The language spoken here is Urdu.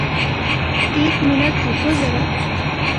ایک منٹ رکو زرا